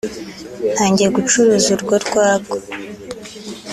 ntangiye gucuruza urwo rwagwa